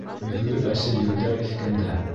Көҙгө әсе елдәр иҫкәндә